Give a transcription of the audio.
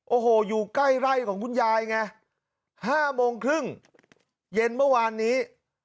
โอ้โหอยู่ใกล้ไร่ของคุณยายไง๕โมงครึ่งเย็นเมื่อวานนี้